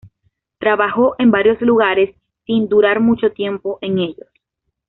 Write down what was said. Trabajó en varios lugares sin durar mucho tiempo en ellos.